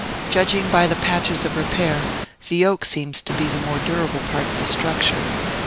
Judging by the patches of repair, the oak seems to be the more durable part of the structure.